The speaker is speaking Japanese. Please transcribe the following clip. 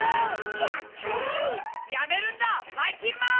やっちゃえ！やめるんだばいきんまん！